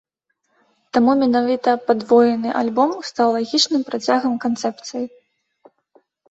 Таму менавіта падвоены альбом стаў лагічным працягам канцэпцыі.